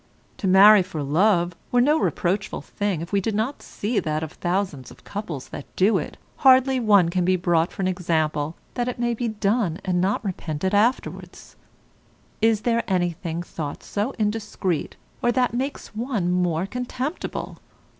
To marry for love were no reproachful thing if we did not see that of the thousand couples that do it, hardly one can be brought for an example that it may be done and not repented afterwards. Is there anything thought so indiscreet, or that makes one more contemptible?